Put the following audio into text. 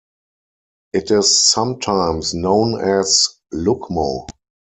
It is sometimes known as lucmo.